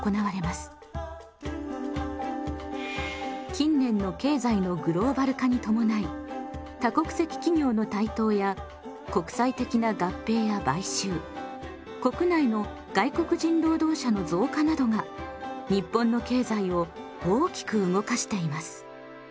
近年の経済のグローバル化に伴い多国籍企業の台頭や国際的な合併や買収国内の外国人労働者の増加などが日本の経済を大きく動かしています。